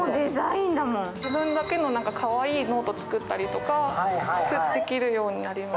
自分だけのかわいいノート作ったりとかできるようになります。